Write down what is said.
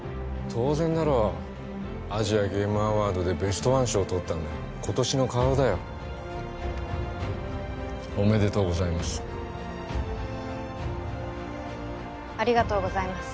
当然だろうアジアゲームアワードでベストワン賞とったんだ今年の顔だよおめでとうございますありがとうございます